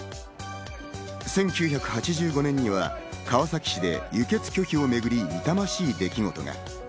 １９８５年には川崎市で輸血拒否をめぐり痛ましい出来事が。